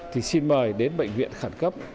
thì xin mời đến bệnh viện khẩn cấp